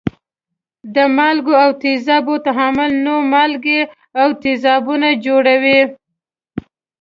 د مالګو او تیزابو تعامل نوي مالګې او تیزابونه جوړوي.